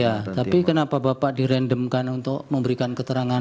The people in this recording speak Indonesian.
ya tapi kenapa bapak direndomkan untuk memberikan keterangan